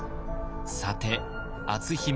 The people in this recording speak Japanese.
さて篤姫